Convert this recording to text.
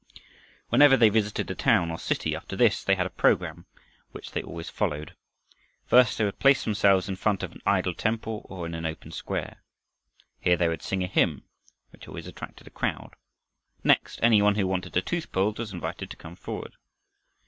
Whenever they visited a town or city after this, they had a program which they always followed. First they would place themselves in front of an idol temple or in an open square. Here they would sing a hymn which always attracted a crowd. Next, any one who wanted a tooth pulled was invited to come forward.